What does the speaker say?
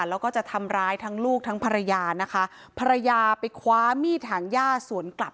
แล้วก็จะทำร้ายทั้งลูกทั้งภรรยานะคะภรรยาไปคว้ามีดหางย่าสวนกลับ